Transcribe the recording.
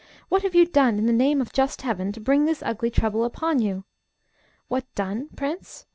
What have you done, in the name of just Heaven, to bring this ugly trouble upon you?" "What done, prince?